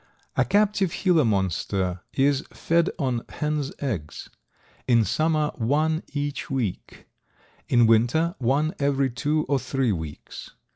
A captive Gila Monster is fed on hens' eggs; in summer one each week, in winter one every two or three weeks.